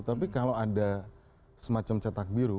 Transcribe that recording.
tapi kalau ada semacam cetak biru